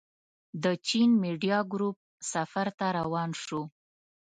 د چين ميډيا ګروپ سفر ته روان شوو.